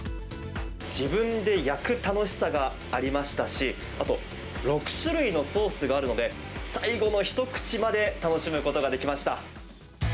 自分で焼く楽しさがありましたし、あと、６種類のソースがあるので、最後の一口まで楽しむことができました。